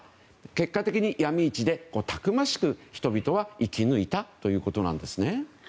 結果的に、ヤミ市でたくましく人々は生き抜いたということなんですね。